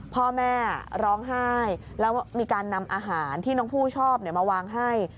พ่อแม่ร้องไห้แล้วมีการนำอาหารที่น้องผู้ชอบมาวางให้